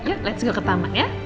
yuk let's go ke taman ya